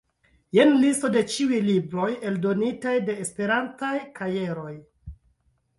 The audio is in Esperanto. Jen listo de ĉiuj libroj eldonitaj de Esperantaj Kajeroj.